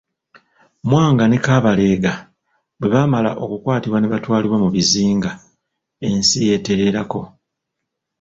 Mwanga ne Kabalega bwe baamala okukwatibwa ne batwalibwa mu bizinga, ensi yetereerako.